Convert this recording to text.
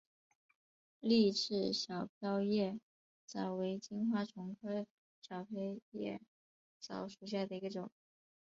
丽翅小瓢叶蚤为金花虫科小瓢叶蚤属下的一个种。